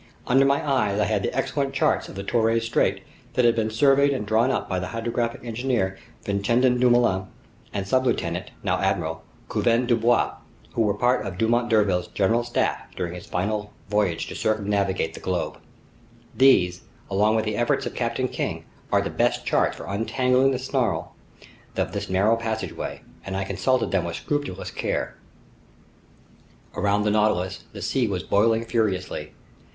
Under my eyes I had the excellent charts of the Torres Strait that had been surveyed and drawn up by the hydrographic engineer Vincendon Dumoulin and Sublieutenant (now Admiral) Coupvent Desbois, who were part of Dumont d'Urville's general staff during his final voyage to circumnavigate the globe. These, along with the efforts of Captain King, are the best charts for untangling the snarl of this narrow passageway, and I consulted them with scrupulous care. Around the Nautilus the sea was boiling furiously.